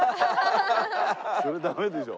それダメでしょ。